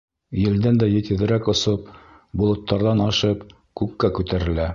Елдән дә етеҙерәк осоп, болоттарҙан ашып, күккә күтәрелә.